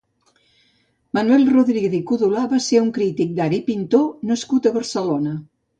Manuel Rodríguez i Codolà va ser un crític d'art i pintor nascut a Barcelona.